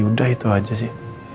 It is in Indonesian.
udah itu aja sih